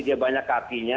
dia banyak kakinya